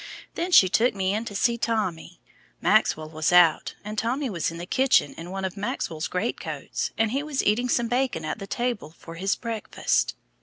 Then she took me in to see Tommy Maxwell was out, and Tommy was in the kitchen in one of Maxwell's great coats, and he was eating some bacon at the table for his breakfast.